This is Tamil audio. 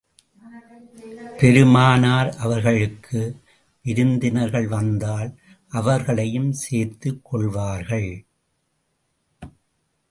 பெருமானார் அவர்களுக்கு விருந்தினர்கள் வந்தால், அவர்களையும் சேர்த்துக் கொள்வார்கள்.